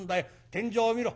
天井を見ろ。